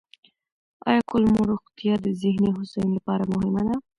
آیا کولمو روغتیا د ذهني هوساینې لپاره مهمه ده؟